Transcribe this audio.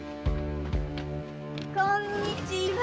〔こんにちは！〕